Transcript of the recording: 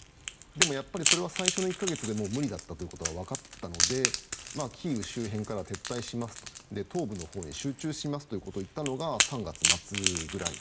でも最初の１か月でもう無理だということが分かったのでキーウ周辺から撤退しますと東部のほうに集中しますといったのが３月末ぐらい。